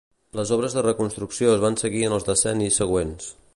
Les obres de reconstrucció es van seguir en els decennis següents.